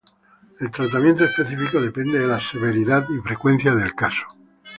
El tratamiento específico depende de la severidad y frecuencia del caso.